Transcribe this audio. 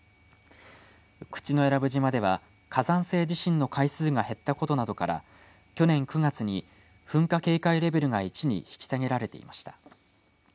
口永良部島では火山性地震の回数が減ったことなどから去年９月に噴火警戒レベルが１に引き下げられていました。